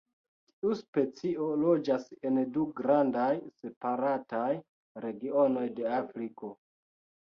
Tiu specio loĝas en du grandaj separataj regionoj de Afriko.